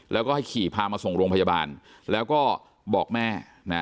แล้วก็ให้ขี่พามาส่งโรงพยาบาลแล้วก็บอกแม่นะ